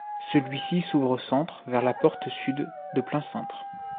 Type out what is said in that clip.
Celui-ci s'ouvre au centre vers la porte sud, de plein cintre.